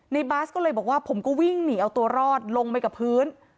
บาสก็เลยบอกว่าผมก็วิ่งหนีเอาตัวรอดลงไปกับพื้น